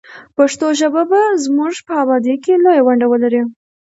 پښتو ژبه به زموږ په ابادۍ کې لویه ونډه ولري.